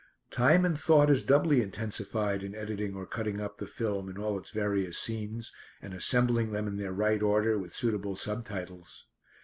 Time and thought is doubly intensified in editing or cutting up the film in all its various scenes and assembling them in their right order with suitable sub titles.